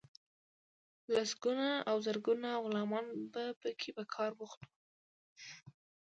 لسګونه او زرګونه غلامان به پکې په کار بوخت وو.